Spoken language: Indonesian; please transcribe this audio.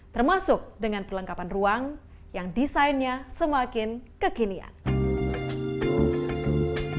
termasuk dengan perlengkapan ruang yang desainnya semakin kekinian